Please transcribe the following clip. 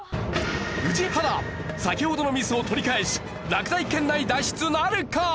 宇治原先ほどのミスを取り返し落第圏内脱出なるか？